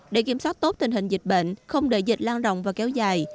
để kiểm soát tốt tình hình dịch bệnh không để dịch lan rộng và kéo dài